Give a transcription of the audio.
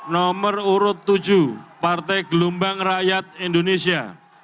nomor urut tujuh partai gelombang rakyat indonesia